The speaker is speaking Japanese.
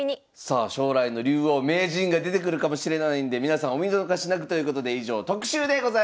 さあ将来の竜王名人が出てくるかもしれないんで皆さんお見逃しなくということで以上特集でございました。